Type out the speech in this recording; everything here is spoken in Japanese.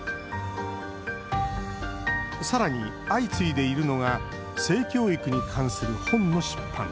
さらに、相次いでいるのが性教育に関する本の出版。